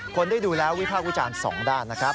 คนได้ดูแล้ววิภาควิจารณ์สองด้านนะครับ